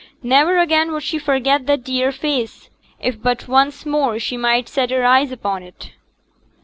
Never again would she forget that dear face, if but once more she might set her eyes upon it.